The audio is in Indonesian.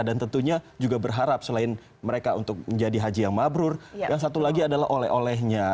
tentunya juga berharap selain mereka untuk menjadi haji yang mabrur yang satu lagi adalah oleh olehnya